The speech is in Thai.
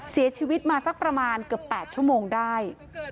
เสียชีวิตมาสักประมาณเกือบ๘ชั่วโมงได้